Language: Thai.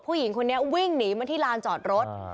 ผู้หญิงคนนี้วิ่งหนีมาที่ลานจอดรถ